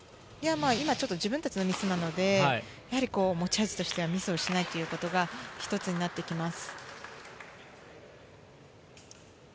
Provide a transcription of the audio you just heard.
今のは自分たちのミスなので、持ち味としてはミスをしないというのが一つになってきます。